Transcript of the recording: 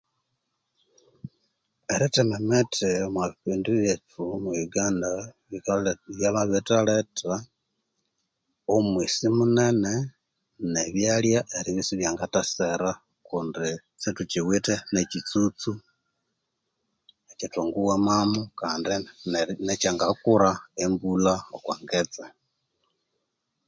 Erithema emithi omwa bipindi byethu mwe Uganda byamabirithaletha omwesi munene ne ebyalya eribya isibyangathasera kundi sithukyiwithe ne kyitsutsu ekya thwanguwamamo kandi ne kyanga kura embulha okwa ngetse